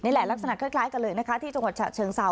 นี่แหละลักษณะคล้ายกันเลยนะคะที่จังหวัดเฉิงเซา